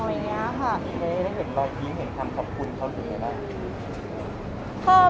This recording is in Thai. มีใครได้เห็นรอยพิมพ์เห็นคำขอบคุณเขาอย่างไรบ้าง